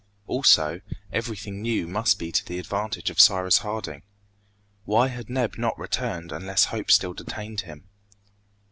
Also, everything new must be to the advantage of Cyrus Harding. Why had Neb not returned unless hope still detained him?